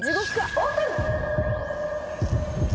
オープン！